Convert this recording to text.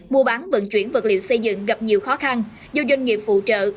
mua bán vận chuyển vật liệu xây dựng gặp nhiều khó khăn do doanh nghiệp phụ trợ